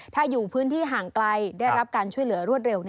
ถ้าอยู่พื้นที่ห่างไกลได้รับการช่วยเหลือรวดเร็ว